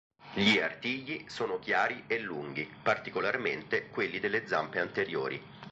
Gli artigli sono chiari e lunghi, particolarmente quelli delle zampe anteriori.